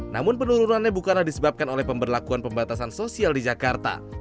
namun penurunannya bukanlah disebabkan oleh pemberlakuan pembatasan sosial di jakarta